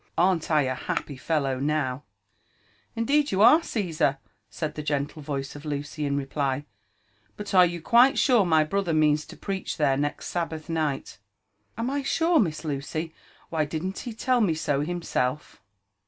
Arn't I a happy fellow now V* Indeed you are, Caesar," said the gentle voice of Lucy in reply ; "but are you quite sure my brother means to preach there next Sab bath night?" "Ami sure, Miss Lucy ? Why, didn't he tell me so himself?"